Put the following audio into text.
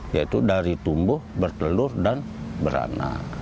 yaitu dari tumbuh bertelur dan beranak